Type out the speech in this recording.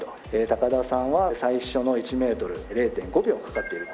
高田さんは最初の１メートル０．５秒かかっている。